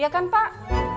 iya kan pak